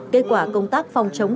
kết quả công tác phòng chống tổ